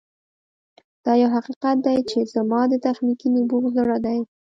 دا یو حقیقت دی چې زما د تخنیکي نبوغ زړه دی